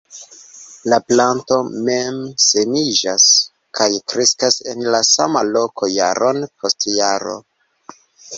La planto mem-semiĝas, kaj kreskas en la sama loko jaron post jaro.